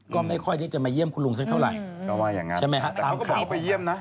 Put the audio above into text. ก็ไม่ค่อยจะมาย่มคุณลุงสักเท่าไรก็ว่าอย่างงั้นใช่ไหมฮะแต่เขาก็บอกว่าไปเยี่ยมนะ